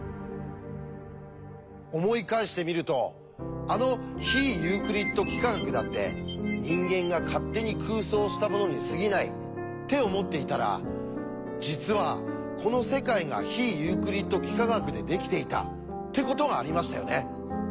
思い返してみるとあの非ユークリッド幾何学だって人間が勝手に空想したものにすぎないって思っていたら実はこの世界が非ユークリッド幾何学でできていたってことがありましたよね。